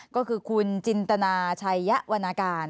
ก็คือคุณจินตนาชัยยะวรรณการ